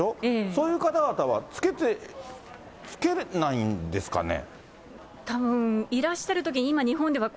そういう方々は着けないんですかね。